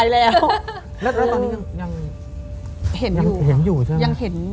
แล้วตอนนี้ยังเห็นอยู่จริงหรือ